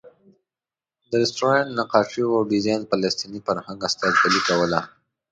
د رسټورانټ نقاشیو او ډیزاین فلسطیني فرهنګ استازولې کوله.